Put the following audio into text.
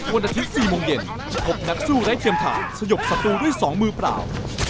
วันอาทิตย์๔โมงเย็นพบนักสู้ไร้เทียมทาสยบศัตรูด้วย๒มือเปล่า